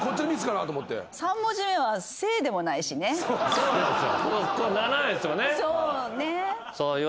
そうなんすよ。